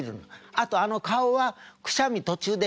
あとあの顔はくしゃみ途中で止めるの。